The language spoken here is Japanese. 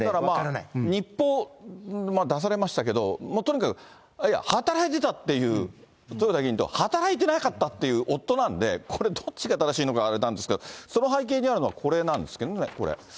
日報、出されましたけれども、とにかく働いてたっていう、豊田議員と、働いてなかったっていう夫なんで、これどっちが正しいのかあれなんですけど、その背景にあるのは、これなんですけどね、これ。